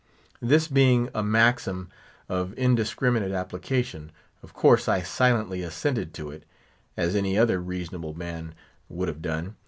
This being a maxim of indiscriminate application, of course I silently assented to it, as any other reasonable man would have done.